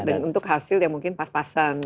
dan untuk hasil ya mungkin pas pasan